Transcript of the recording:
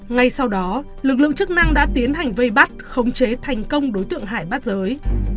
ngay sau đó lực lượng chức năng đã tiến hành vây bắt khống chế thành công đối tượng hải bắt giới